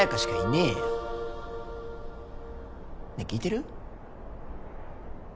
ねえ聞いてる？